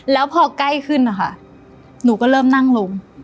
แล้วพอใกล้ขึ้นนะคะหนูก็เริ่มนั่งลง